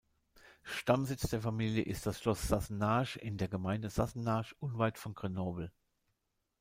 Stammsitz der Familie ist das Schloss Sassenage in der Gemeinde Sassenage unweit von Grenoble.